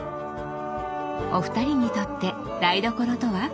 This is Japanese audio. お二人にとって台所とは？